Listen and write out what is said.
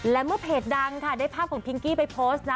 และเมื่อเพจดังค่ะได้ภาพของพิงกี้ไปโพสต์นะ